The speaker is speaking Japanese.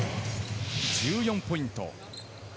１４ポイント。